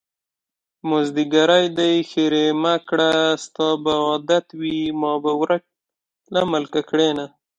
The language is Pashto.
مازديګری دی ښېرې مکړه ستا به عادت وي ما به ورک له ملکه کړينه